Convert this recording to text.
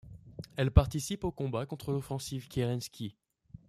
Elle participe aux combats contre l'offensive Kerenski.